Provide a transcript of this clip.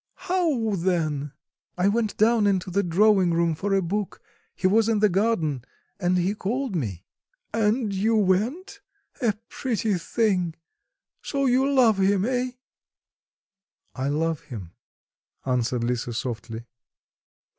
"How then?" "I went down into the drawing room for a book; he was in the garden and he called me." "And you went? A pretty thing! So you love him, eh?" "I love him," answered Lisa softly.